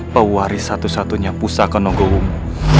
pewaris satu satunya pusaka nogowo